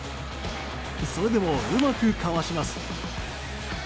それでも、うまくかわします。